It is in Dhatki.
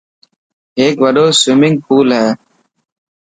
هيڪ وڏو سومنگپول هي.